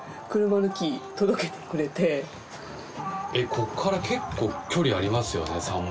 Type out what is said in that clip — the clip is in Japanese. ここから結構距離ありますよね？